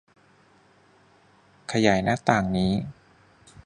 ขยายหน้าต่างนี้